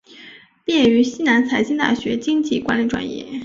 毕业于西南财经大学经济管理专业。